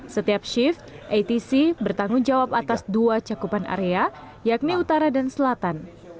setiap shift atc bertanggung jawab atas dua cakupan area yakni utara dan selatan